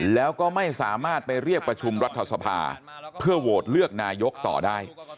แล้วก็ไม่สามารถไปเรียกประชุมรัฐสภาเพื่อโหวตเลือกนายกต่อได้